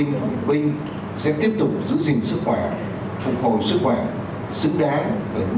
nhân viên trung tâm điều dưỡng thương binh hoạt thành tỉnh bắc ninh